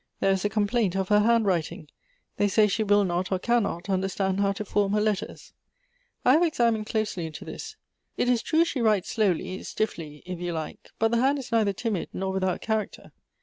There is a complaint of her handwriting. They say she will not, or cannot, understand how to form her letters. I have examined closely into this. It is true she writes slowly, stiffly, if you like ; but the hand is neither timid nor without character.